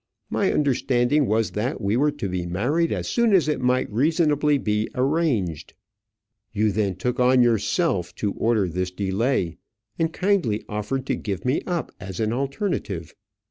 My understanding was that we were to be married as soon as it might reasonably be arranged. You then took on yourself to order this delay, and kindly offered to give me up as an alternative.